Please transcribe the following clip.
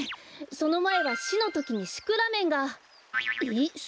そのまえはシのときにシクラメンが！えそうなの？